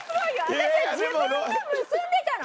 私は自分で結んでたの。